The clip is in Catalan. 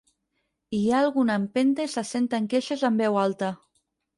Hi ha alguna empenta i se senten queixes en veu alta.